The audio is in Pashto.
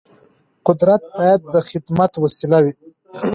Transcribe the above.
قدرت باید د خدمت وسیله وي